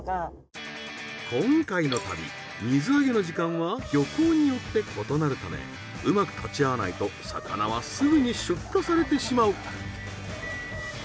今回の旅水揚げの時間は漁港によって異なるためうまく立ち会わないと魚はすぐに出荷されてしまう。